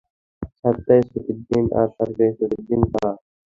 সাপ্তাহিক ছুটির দিন, আর সরকারি ছুটির দিন ছাড়া।